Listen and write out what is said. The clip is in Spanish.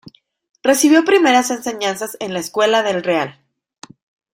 Recibió primeras enseñanzas en la Escuela del Real.